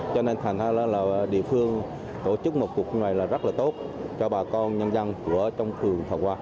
cho nên thành phố là địa phương tổ chức một cuộc phương này là rất là tốt cho bà con nhân dân của trong thường thọ qua